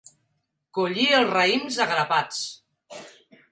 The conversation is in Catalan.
Collir els raïms a grapats.